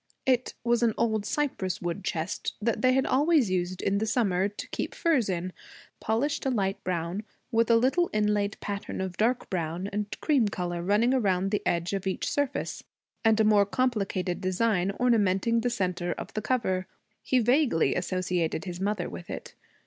It was an old cypress wood chest that they had always used in the summer, to keep furs in, polished a bright brown, with a little inlaid pattern of dark brown and cream color running around the edge of each surface, and a more complicated design ornamenting the centre of the cover. He vaguely associated his mother with it.